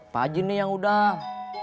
pak jin nih yang udah